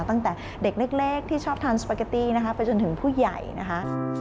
ตั้งแต่เด็กเล็กที่ชอบทานสปาเกตตี้นะคะไปจนถึงผู้ใหญ่นะคะ